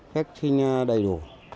các sinh đầy đủ